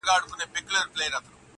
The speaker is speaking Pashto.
یوه بل ته یې کتل دواړه حیران سول!.